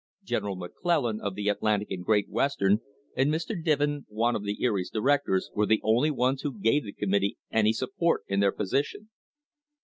General McClellan of the Atlantic and Great Western and Mr. Diven, one of the Erie's directors, were the only ones who gave the committee any support in their position.